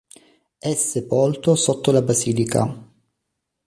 È sepolto sotto la Basilica.